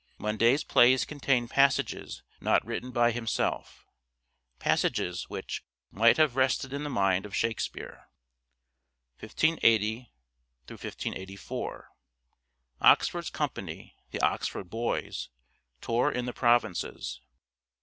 Munday 's plays contain passages not written by himself : passages which " might have rested in the mind of Shakespeare." 1580 4. Oxford's company (The Oxford Boys) tour in the provinces.